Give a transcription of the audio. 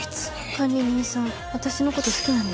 管理人さん私の事好きなんですか？